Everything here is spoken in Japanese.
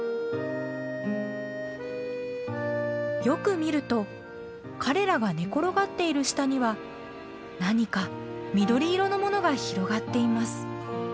よく見ると彼らが寝転がっている下には何か緑色のものが広がっています。